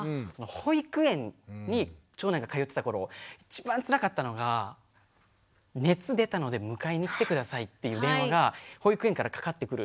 保育園に長男が通ってた頃一番つらかったのが「熱出たので迎えに来て下さい」っていう電話が保育園からかかってくる。